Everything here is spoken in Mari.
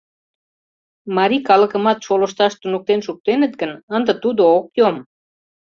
Марий калыкымат шолышташ туныктен шуктеныт гын, ынде тудо ок йом.